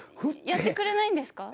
やってくれないんですか？